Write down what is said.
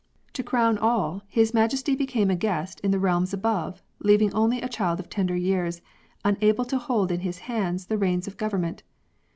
To crown LYING. 125 all, His Majesty became a guest in the realms above, leaving only a child of tender years, unable to hold in his hands the reins of government.